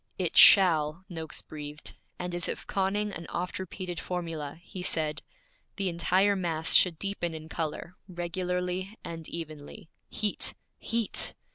'It shall!' Noakes breathed; and as if conning an oft repeated formula, he said, 'The entire mass should deepen in color, regularly and evenly. Heat! Heat!'